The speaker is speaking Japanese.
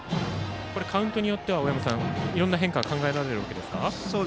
カウントによってはいろいろな変化が考えられるわけですか。